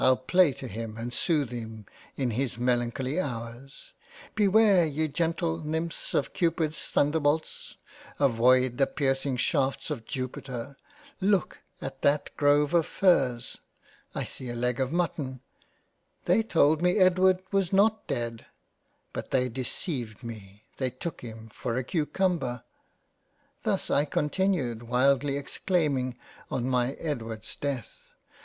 I'll play to him and sooth him in his melancholy Hours — Beware ye gentle Nymphs of Cupid's Thunderbolts, avoid the piercing shafts of Jupiter — Look at that grove of Firs — I see a Leg of Mutton — They told me Edward was not Dead ; but they deceived me — they took him for a cucumber —" Thus I continued wildly exclaiming on my Edward's Death —